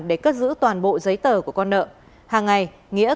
để cất giữ toàn bộ giấy tờ của con nợ